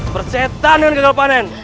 persetan dengan gagal panen